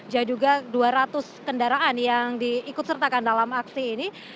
dia juga dua ratus kendaraan yang diikut sertakan dalam aksi ini